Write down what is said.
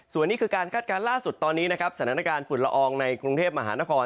ส่วนนี้คือการคาดการณ์ล่าสุดตอนนี้นะครับสถานการณ์ฝุ่นละอองในกรุงเทพมหานคร